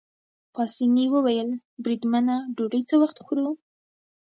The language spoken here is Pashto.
پاسیني وویل: بریدمنه ډوډۍ څه وخت خورو؟